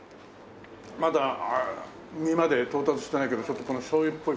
まだ身まで到達してないけどちょっとこの醤油っぽい